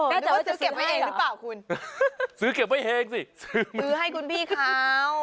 จะว่าซื้อเก็บไว้เองหรือเปล่าคุณซื้อเก็บไว้เองสิซื้อให้คุณพี่เขา